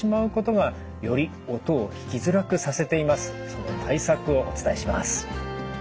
その対策をお伝えします。